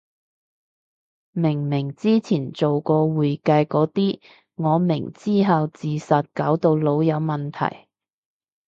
明明之前做過會計個啲，我明之後自殺搞到腦有問題